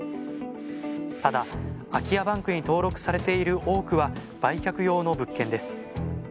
ただ空き家バンクに登録されている多くは売却用の物件です。